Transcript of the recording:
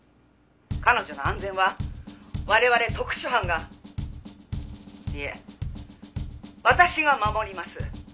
「彼女の安全は我々特殊犯がいいえ私が守ります」